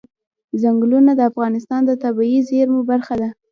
ځنګلونه د افغانستان د طبیعي زیرمو برخه ده.